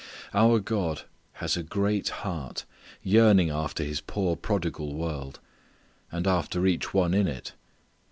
Our God has a great heart yearning after His poor prodigal world, and after each one in it.